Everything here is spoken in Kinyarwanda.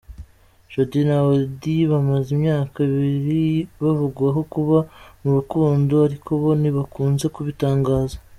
Jody na Auddy bamaze imyaka ibiri bavugwaho kuba mu rukundo ariko bo ntibakunze kubitangaza.